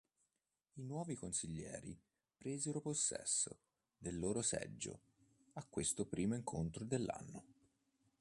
I nuovi consiglieri presero possesso del loro seggio a questo primo incontro dell'anno.